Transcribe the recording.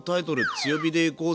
「強火で行こうぜ！」